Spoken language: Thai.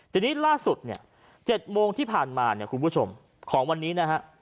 ทีนี้ล่าสุด๗โมงที่ผ่านมาคุณผู้ชมของวันนี้นะฮะ